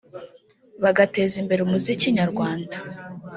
bagateza imbere umuziki nyarwanda